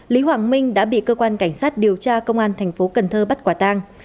lý hoàng minh đã bị cơ quan cảnh sát điều tra công an thành phố cần thơ bắt quả tang